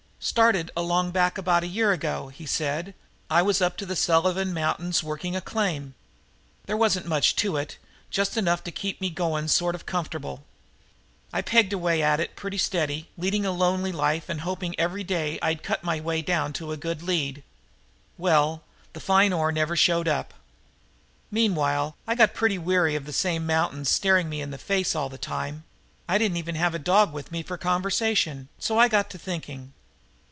"Started along back about a year ago," he said. "I was up to the Sullivan Mountains working a claim. There wasn't much to it, just enough to keep me going sort of comfortable. I pegged away at it pretty steady, leading a lonely life and hoping every day that I'd cut my way down to a good lead. Well, the fine ore never showed up. "Meantime I got pretty weary of them same mountains, staring me in the face all the time. I didn't have even a dog with me for conversation, so I got to thinking.